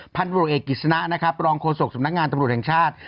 พันธุ์บริโรคเอกิษณะปรองโครสกสำนักงานตำรวจแห่งชาติ